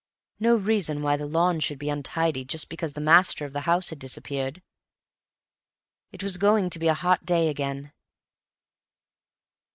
No reason why the lawn should be untidy just because the master of the house had disappeared. It was going to be a hot day again.